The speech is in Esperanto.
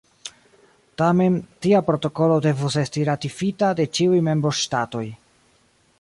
Tamen tia protokolo devus esti ratifita de ĉiuj membroŝtatoj.